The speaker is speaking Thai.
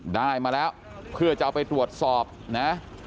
ได้มาแล้วเพื่อจะเอาไปตรวจสอบนะ